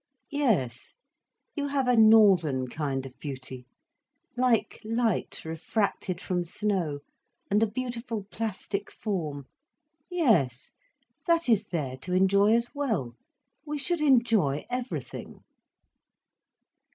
"Yes. You have a northern kind of beauty, like light refracted from snow—and a beautiful, plastic form. Yes, that is there to enjoy as well. We should enjoy everything."